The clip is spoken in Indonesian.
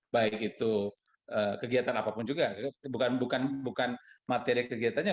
baik itu kegiatan apapun juga bukan materi kegiatannya